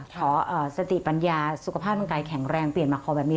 ขอสติปัญญาสุขภาพร่างกายแข็งแรงเปลี่ยนมาคอแบบนี้